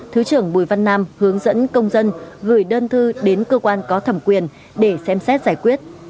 thứ trưởng bùi văn nam hướng dẫn công dân gửi đơn thư đến cơ quan có thẩm quyền để xem xét giải quyết